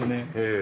え。